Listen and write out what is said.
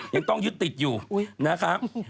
ยังต้องยึดติดอยู่นะครับ